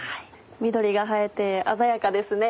緑が映えて鮮やかですね。